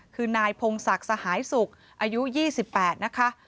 คือนายพงศักดิ์สหายสุขอายุ๒๘นะคะ